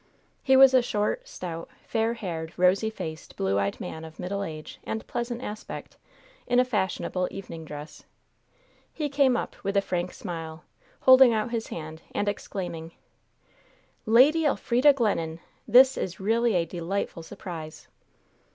He was a short, stout, fair haired, rosy faced, blue eyed man of middle age and pleasant aspect, in a fashionable evening dress. He came up with a frank smile, holding out his hand, and exclaiming: "Lady Elfrida Glennon! This is really a delightful surprise!"